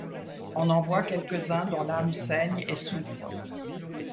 On en voit quelques-uns dont l’âme saigne et souffre